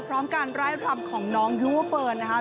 พร้อมกันรายละพัมพ์ของน้องฮิวเวอร์เฟิร์นนะค่ะ